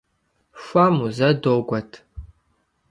Хуэму, зэ догуэт!